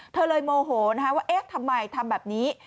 เธอเลยโมโหว่าทำไมทำแบบนี้